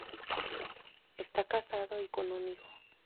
Está casado y con un hijo.